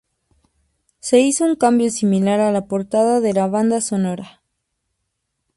Se hizo un cambio similar a la portada de la banda sonora.